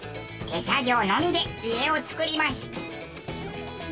手作業のみで家を造ります。